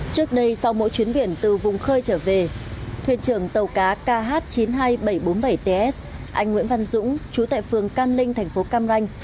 trên trường tàu cá kh chín mươi hai nghìn bảy trăm bốn mươi bảy ts anh nguyễn văn dũng chú tại phường can ninh thành phố cam ranh